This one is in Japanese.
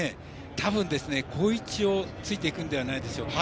多分、好位置をついていくんじゃないでしょうか。